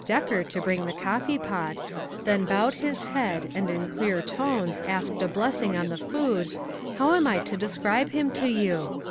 Decker to bring the coffee pot, then bowed his head and in clear tones asked a blessing on the food, how am I to describe him to you